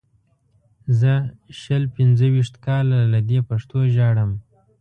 زه شل پنځه ویشت کاله له دې پښتو ژاړم.